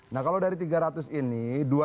nah kalau dari tiga ratus ini